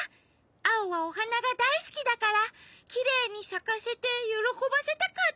アオはおはながだいすきだからきれいにさかせてよろこばせたかったのに。